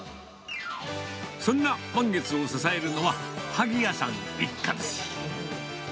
そんな満月を支えるのは、萩谷さん一家です。